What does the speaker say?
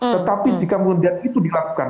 tetapi jika kemudian itu dilakukan